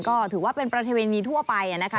ก็ถือว่าเป็นประเพณีทั่วไปนะคะ